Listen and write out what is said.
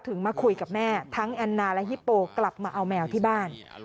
มาคุยกับแม่ทั้งแอนนาและฮิปโปกลับมาเอาแมวที่บ้าน